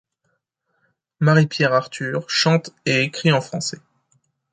Marie-Pierre Arthur chante et écrit en français.